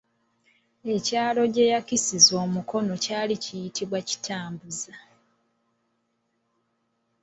Ekyalo gye yakisiza omukono kyali kiyitibwa Kitabuuza.